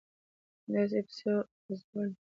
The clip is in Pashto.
همداسې یې پسې غځوله ...